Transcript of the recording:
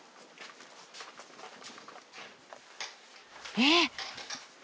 えっ！